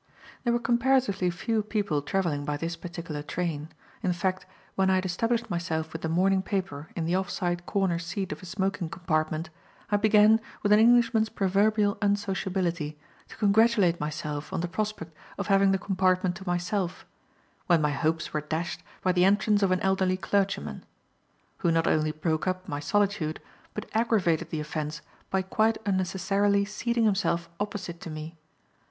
There were comparatively few people travelling by this particular train; in fact, when I had established myself with the morning paper in the off side corner seat of a smoking compartment, I began, with an Englishman's proverbial unsociability, to congratulate myself on the prospect of having the compartment to myself, when my hopes were dashed by the entrance of an elderly clergyman; who not only broke up my solitude, but aggravated the offence by quite unnecessarily seating himself opposite to me.